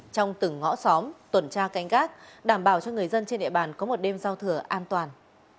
trong từng ngõ xóm tuần tra canh gác đảm bảo cho người dân trên địa bàn có một đêm giao thừa an toàn